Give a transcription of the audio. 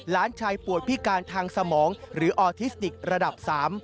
ล้านชายปวดพิการทางสมองหรือออทิสติกระดับ๓